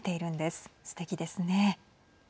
すてきですね。